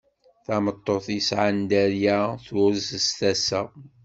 Tameṭṭut yesɛan dderya turez s tasa.